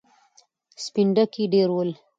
سپين ډکي ډېر ول.